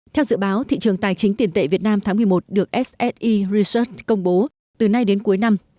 theo dự báo thị trường tài chính tiền tệ việt nam tháng một mươi một được sse research công bố từ nay đến cuối năm